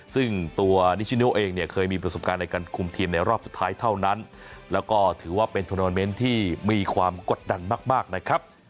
ซึ่งตัวนิชิโนเองเนี่ยเคยมีประสบการณ์ในการคุมทีมในรอบสุดท้ายเท่านั้นแล้วก็ถือว่าเป็นทวนาเมนต์ที่มีความกดดันมากนะครับ